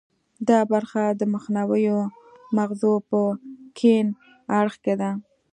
دا برخه د مخنیو مغزو په کیڼ اړخ کې ده